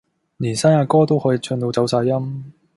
連生日歌都可以唱到走晒音